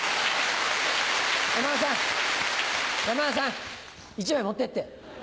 山田さん山田さん１枚持ってって。